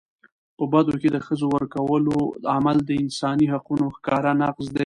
په بدو کي د ښځو ورکولو عمل د انساني حقونو ښکاره نقض دی.